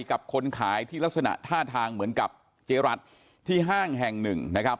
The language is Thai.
กับคนขายที่ลักษณะท่าทางเหมือนกับเจ๊รัฐที่ห้างแห่งหนึ่งนะครับ